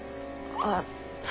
あっ。